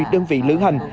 ba mươi đơn vị lưỡng hành